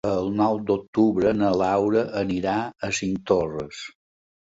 El nou d'octubre na Laura anirà a Cinctorres.